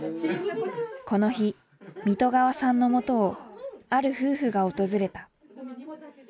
この日水戸川さんのもとをある夫婦が訪れた。